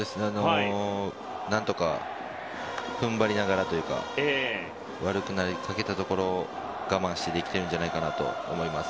何とか踏ん張りながらというか悪くなりかけたところを我慢してできていると思います。